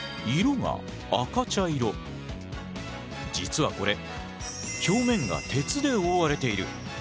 色が実はこれ表面が鉄で覆われている。